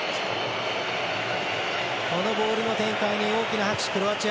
このボールの展開に大きな拍手、クロアチア。